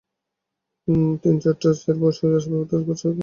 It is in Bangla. তিন-চারটা বেতের চেয়ার ছাড়া আসবাব পত্র কিছু নেই।